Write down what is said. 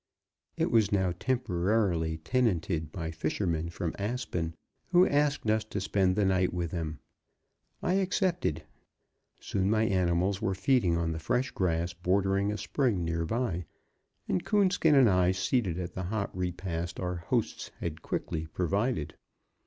It was now temporarily tenanted by fishermen from Aspen, who asked us to spend the night with them. I accepted; soon my animals were feeding on the fresh grass bordering a spring nearby, and Coonskin and I seated at the hot repast our hosts had quickly provided.